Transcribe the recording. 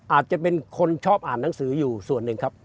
อาจจะเป็นคนชอบอ่านหนังสืออยู่ส่วนหนึ่งครับ